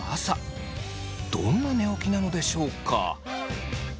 どんな寝起きなのでしょうか？